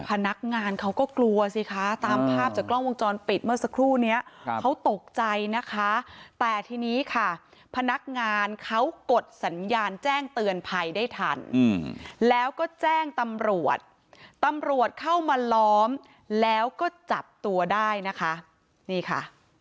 พนักงานเขาก็กลัวสิคะตามภาพจากกล้องวงจรปิดเมื่อสักครู่นี้เขาตกใจนะคะแต่ทีนี้ค่ะพนักงานเขากดสัญญาณแจ้งเตือนภัยได้ทันแล้วก็แจ้งตำรวจตำรวจตำรวจเข้ามาล้อมแล้วก็จับตัวได้นะคะนี่ค่ะ